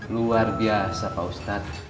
luar biasa pak ustadz